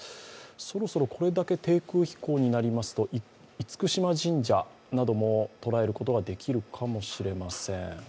そろそろ、これだけ低空飛行になりますと、厳島神社なども捉えることができるかもしれません。